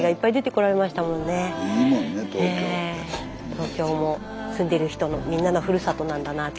東京も住んでる人のみんなのふるさとなんだなぁと。